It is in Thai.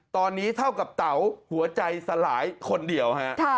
ตอนนี้เท่ากับเต๋าหัวใจสลายคนเดียวฮะ